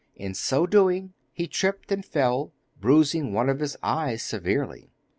In so doing he tripped and fell, bruising one of his eyes severely.